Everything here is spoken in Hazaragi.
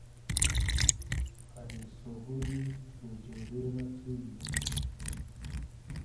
پئری سوغودی بې جۉرې مۂ تو یی